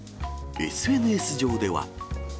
ＳＮＳ上では。